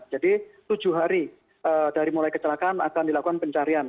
jadi tujuh hari dari mulai kecelakaan akan dilakukan pencarian